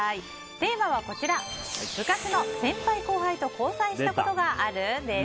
テーマは部活の先輩・後輩と交際したことがある？です。